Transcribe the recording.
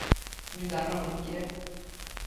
তুমি জানো ইনি কে?